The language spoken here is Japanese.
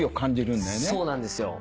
そうなんですよ。